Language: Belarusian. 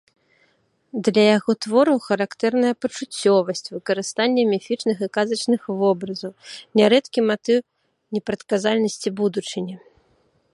Для яго твораў характэрная пачуццёвасць, выкарыстанне міфічных і казачных вобразаў, нярэдкі матыў непрадказальнасці будучыні.